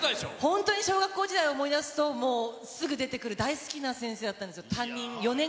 本当に小学校時代を思い出すと、もうすぐ出てくる大好きな先生だったんですよ。